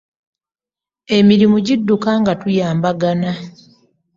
Emirimu gidduka nga tuyambagana.